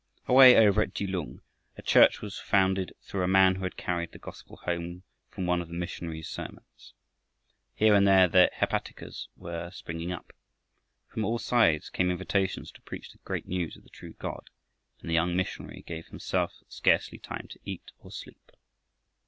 Away over at Kelung a church was founded through a man who had carried the gospel home from one of the missionary's sermons. Here and there the hepaticas were springing up. From all sides came invitations to preach the great news of the true God, and the young missionary gave himself scarcely time to eat or sleep.